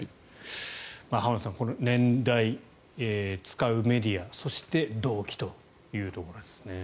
浜田さん、年代、使うメディアそして動機というところです。